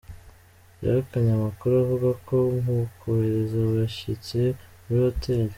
Yahakanye amakuru avuga ko mu kohereza. abashyitsi muri hoteli.